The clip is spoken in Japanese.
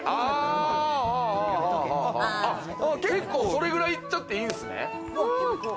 結構それくらいいっちゃっていいんすね。